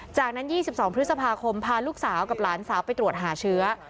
จากนั้น๒๒พฤษภาคมพาลูกสาวกับหลานสาวไปตรวจหาเชื้อ